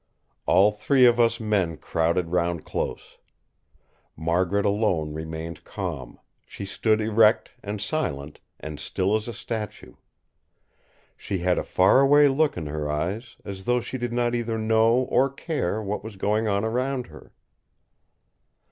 All three of us men crowded round close. Margaret alone remained calm; she stood erect and silent, and still as a statue. She had a far away look in her eyes, as though she did not either know or care what was going on around her.